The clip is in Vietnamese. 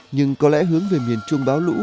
nhưng có lẽ hướng về miền trung bão lũ